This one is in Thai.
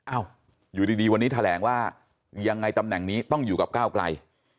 อ้าวอยู่ดีวันนี้แถลงว่ายังไงตำแหน่งนี้ต้องอยู่กับก้าวไกล